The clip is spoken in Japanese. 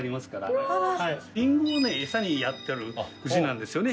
りんごをね餌にやってる牛なんですよね。